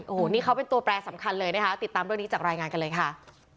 โอ้โหนี่เขาเป็นตัวแปรสำคัญเลยนะคะติดตามเรื่องนี้จากรายงานกันเลยค่ะ